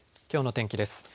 きょうの天気です。